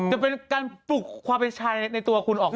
จะเป็นการปลุกความเป็นชายในตัวคุณออก